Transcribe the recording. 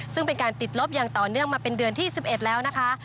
ซึ่งเป็นการติดลบอย่างต่อเนื่องมาเป็นเดือนที่๑๑แล้วนะคะ